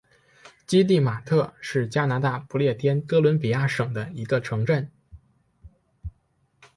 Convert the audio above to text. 基蒂马特是加拿大不列颠哥伦比亚省的一个城镇。